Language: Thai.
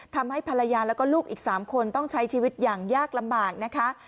ทำให้ภรรยาแล้วก็ลูกอีก๓คนต้องใช้ชีวิตอย่างยากลำบากนะคะ